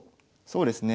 そうですね。